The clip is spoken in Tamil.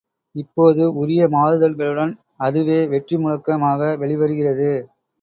இப்போது உரிய மாறுதல்களுடன் அதுவே, வெற்றி முழக்க மாக வெளிவருகிறது.